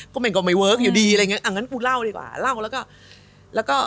ก็ไม่ก็ไม่เวิร์คอยู่ดีอะไรอย่างงี้อันนั้นกูเล่าดีกว่าเล่าแล้วก็